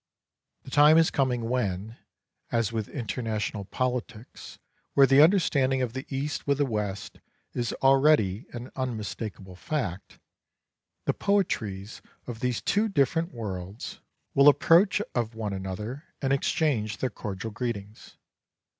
The time is coming when, as with international politics where the understanding of the East with the West is already an unmistakable fact, the poetries of these two different worlds Foreivord xvii will approach of one another and exchange their cordial greetings.